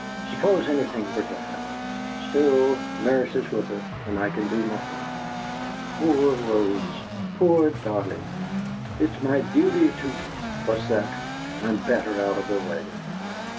Suppose anything were to happen. Still, nurse is with her, and I can do nothing. Poor Rose poor darling! It's my duty to What's that? I'm better out of the way.'